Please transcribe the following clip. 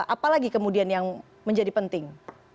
apa lagi kemudian yang menjadi penting